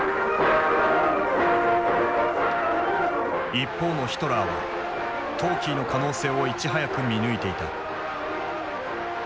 一方のヒトラーはトーキーの可能性をいち早く見抜いていた。